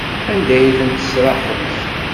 Anda ay tent-tesraḥemt?